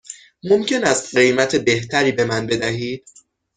ممکن است قیمت بهتری به من بدهید؟